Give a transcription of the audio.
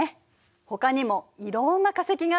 ほかにもいろんな化石があるのよ。